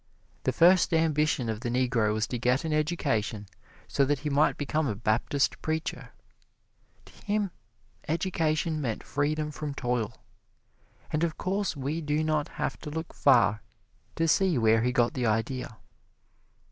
The first ambition of the Negro was to get an education so that he might become a Baptist preacher. To him, education meant freedom from toil, and of course we do not have to look far to see where he got the idea.